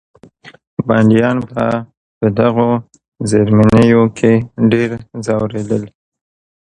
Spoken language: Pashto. بندیان به په دغو زیرزمینیو کې ډېر ځورېدل.